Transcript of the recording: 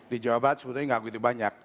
di jawa barat sebetulnya nggak begitu banyak